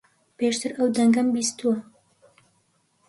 پێشتر ئەو دەنگەم بیستووە.